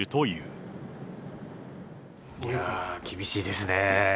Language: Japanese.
いやぁ、厳しいですね。